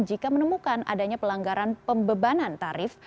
jika menemukan adanya pelanggaran pembebanan tarif